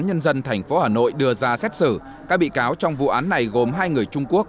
nhân dân tp hà nội đưa ra xét xử các bị cáo trong vụ án này gồm hai người trung quốc